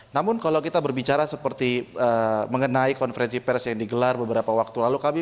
namun kalau kita berbicara seperti mengenai konferensi pers yang digelar beberapa waktu lalu